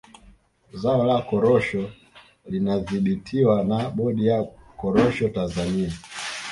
Zao la korosho linadhibitiwa na bodi ya korosho Tanzania